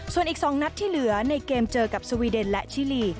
ส่วนอีก๒นัดที่เหลือในเกมเจอกับสวีเดนและชิลี